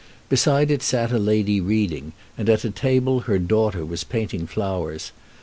Beside it sat a lady reading, and at a table her daughter was painting flowers.